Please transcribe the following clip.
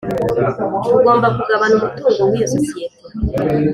tugoma kugabana umutungo w iyo sosiyete